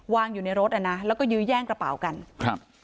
อยู่ในรถอ่ะนะแล้วก็ยื้อแย่งกระเป๋ากันครับ